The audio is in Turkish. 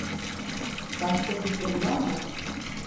Başka fikrin var mı?